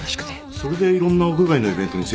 それでいろんな屋外のイベントに設置してるんだ。